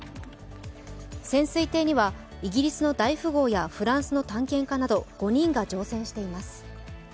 潜水艇にはイギリスの大富豪やフランスの探検家など５人が乗船しています。